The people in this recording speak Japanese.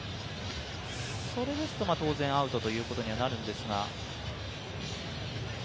それですと当然アウトということになるんですが。